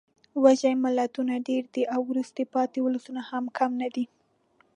وږې ملتونه ډېر دي او وروسته پاتې ولسونه هم کم نه دي.